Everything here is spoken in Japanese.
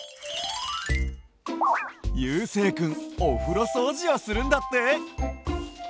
ゆうせいくんおふろそうじをするんだって。